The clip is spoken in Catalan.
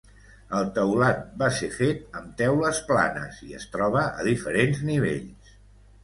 El teulat va ser fet amb teules planes i es troba a diferents nivells.